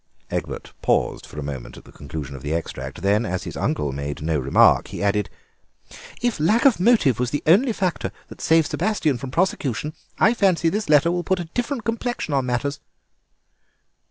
'" Egbert paused for a moment at the conclusion of the extract; then, as his uncle made no remark, he added: "If lack of motive was the only factor that saved Sebastien from prosecution I fancy this letter will put a different complexion on matters."